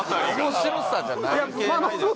面白さじゃないです